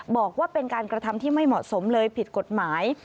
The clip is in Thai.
บอกว่าเป็นการกระทำที่ไม่เหมาะสมเลยผิดกฎหมาย